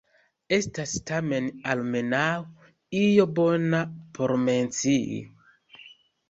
Estas tamen almenaŭ io bona por mencii.